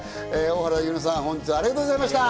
大原優乃さん、本日はありがとうございました。